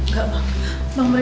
gak usah amu murid